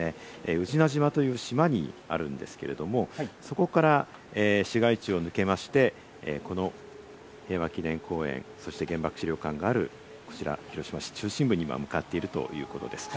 宇品島という島にあるんですけれども、そこから市街地を抜けまして、この平和記念公園、そして原爆資料館がある、こちら広島市中心部に今、向かっているということです。